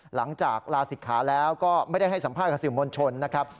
หลังจากลาศิกขาแล้วก็ไม่ได้ให้สัมภาษณ์กับสื่อมวลชนนะครับ